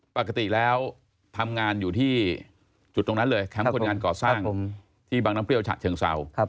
ปกติแล้วทำงานอยู่ที่จุดตรงนั้นเลยแคมป์คนงานก่อสร้างที่บางน้ำเปรี้ยฉะเชิงเศร้า